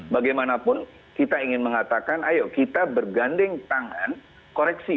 bagaimanapun kita ingin mengatakan ayo kita bergandeng tangan koreksi